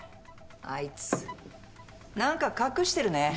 あいつ何か隠してるね。